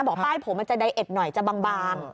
บอกป้ายผมมันจะไดเอ็ดหน่อยจะบาง